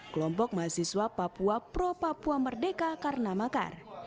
kelompok mahasiswa papua pro papua merdeka karena makar